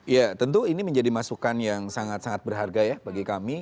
ya tentu ini menjadi masukan yang sangat sangat berharga ya bagi kami